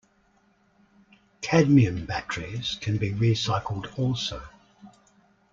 Cadmium batteries can be recycled also.